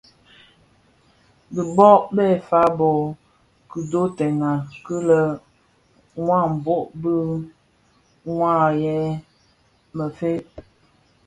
Dhi bō be fa bo kidhotèna kil è wambue pi: wō ghèè më fe?